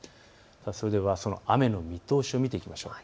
それでは雨の見通しを見ていきましょう。